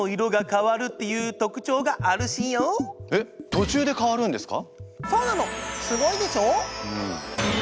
えっ途中で変わるんですか？